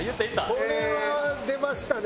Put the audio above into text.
これは出ましたね。